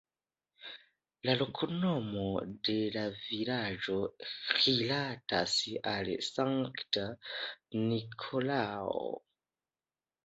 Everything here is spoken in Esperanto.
La loknomo de la vilaĝo rilatas al sankta Nikolao.